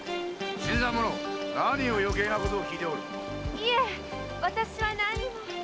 いえ私は何も。